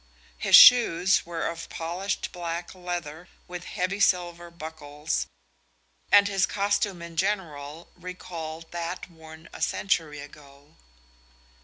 His shoes were of polished black leather with heavy silver buckles, and his costume in general recalled that worn a century ago.